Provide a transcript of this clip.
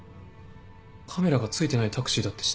カメラがついてないタクシーだって知ってた？